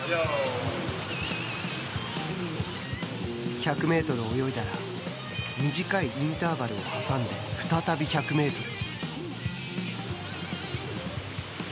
１００メートル泳いだら短いインターバルを挟んで再び１００メートル。